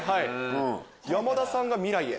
山田さんが『未来へ』？